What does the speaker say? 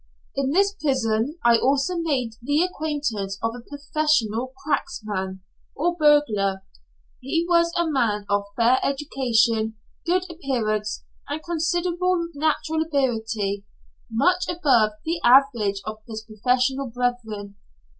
In this prison I also made the acquaintance of a professional "cracksman," or burglar. He was a man of fair education, good appearance, and considerable natural ability; much above the average of his professional brethren.